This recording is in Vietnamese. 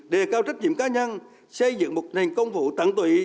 đề cao trách nhiệm cá nhân xây dựng một nền công vụ tận tụy